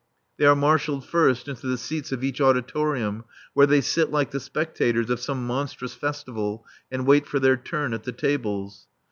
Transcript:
They are marshalled first into the seats of each auditorium, where they sit like the spectators of some monstrous festival and wait for their turn at the tables.